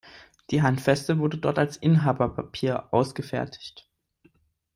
Die Handfeste wurde dort als Inhaberpapier ausgefertigt.